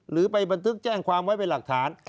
หรือไปบันทึกแจ้งความไว้เป็นหลักฐาน